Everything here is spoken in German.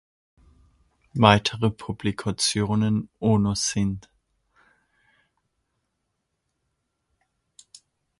Weitere Publikationen Onos sind